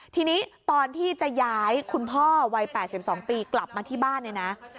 ทีนี้ตอนที่จะย้ายคุณพ่อวัย๘๒ปีกลับมาที่บ้านเนี่ยนะ